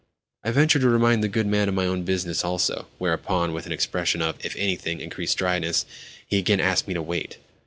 I ventured to remind the good man of my own business also; whereupon, with an expression of, if anything, increased dryness, he again asked me to wait.